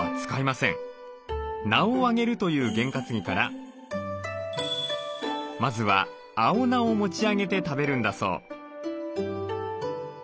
「名をあげる」という験担ぎからまずは青菜を持ち上げて食べるんだそう。